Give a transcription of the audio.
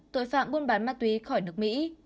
tội phạm buôn bán ma túy khỏi nước mỹ